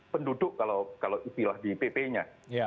penduduk kalau istilah di pp nya